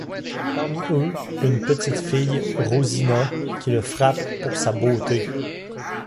Parmi eux, une petite fille, Rosina, qui le frappe pour sa beauté.